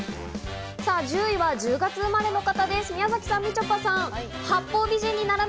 １０位は１０月生まれの方です、宮崎さん、みちょぱさん。